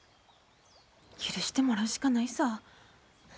許してもらうしかないさぁ。